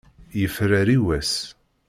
Yefrari wass.